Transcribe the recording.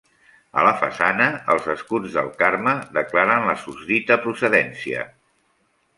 A la façana, els escuts del Carme declaren la susdita procedència.